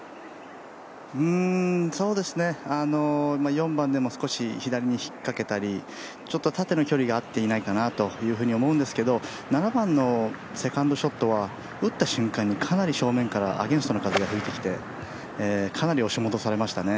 ４番でも少し左に引っ掛けたりちょっと縦の距離が合っていないかなと思うんですけど７番のセカンドショットは打った瞬間にかなり正面からアゲンストの風が吹いてきて、かなり押し戻されましたね。